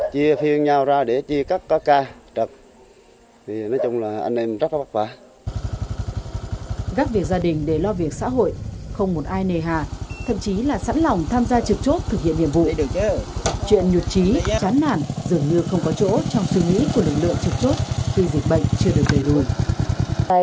chuyện nhuật trí chán nản dường như không có chỗ trong suy nghĩ của lực lượng trực chốt khi dịch bệnh chưa được đề đuổi